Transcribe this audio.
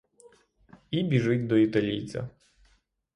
І біжить до італійця.